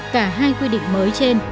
cả hai quy định mới trên